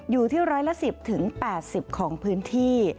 อยู่ที่ร้อยละ๑๐๘๐ของพื้นที่